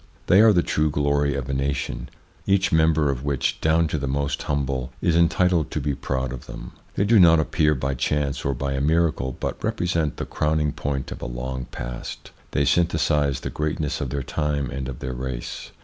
They are the true glory of a nation, each member of which, down to the most humble, is entitled to be proud of them. They do not appear by chance or by a miracle, but represent the crowning point of a long past. They synthesise the greatness of their time and of their race.